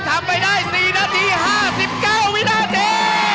ทำไปได้๔นาที๕๙วินาที